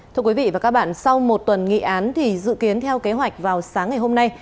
thưa quý vị và các bạn sau một tuần nghị án thì dự kiến theo kế hoạch vào sáng ngày hôm nay